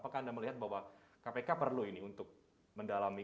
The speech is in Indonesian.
apakah anda melihat bahwa kpk perlu ini untuk mendalami